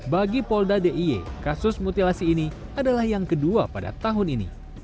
bagi polda d i e kasus mutilasi ini adalah yang kedua pada tahun ini